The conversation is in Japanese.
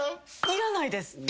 いらないです。